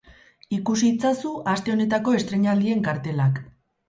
Ikusi itzazu aste honetako estreinaldien kartelak.